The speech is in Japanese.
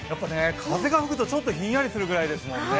風が吹くとちょっとひんやりするくらいですもんね。